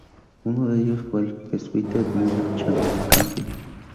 Uno de ellos fue el jesuita Edmundo Campion.